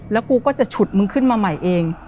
แล้วกูก็จะฉุดมึงขึ้นมาใหม่เอง